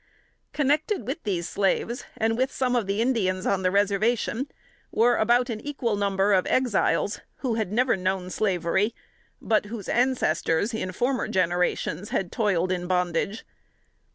Connected with these slaves, and with some of the Indians on the Reservation, were about an equal number of Exiles, who had never known slavery, but whose ancestors, in former generations, had toiled in bondage.